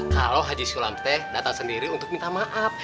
kalau haji sulamteh datang sendiri untuk minta maaf